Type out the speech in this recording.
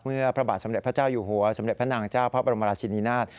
พระบาทสมเด็จพระเจ้าอยู่หัวสมเด็จพระนางเจ้าพระบรมราชินินาศ